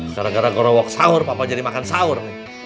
gara gara gue rowok sahur papa jadi makan sahur nih